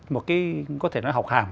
một cái có thể nói là học hàm